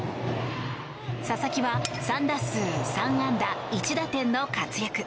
佐々木は３打数３安打１打点の活躍。